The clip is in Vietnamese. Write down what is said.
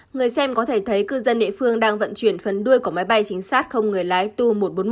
người xem có thể thấy cư dân địa phương đang vận chuyển phần đuôi của máy bay chính sát không người lái tu một trăm bốn mươi một